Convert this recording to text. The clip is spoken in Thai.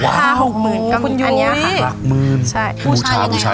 หลักหกหมื่นคุณยุ้ยอันนี้ค่ะหลักหมื่นใช่ผู้ชาย